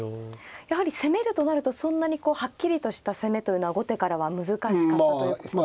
やはり攻めるとなるとそんなにはっきりとした攻めというのは後手からは難しかったということですか。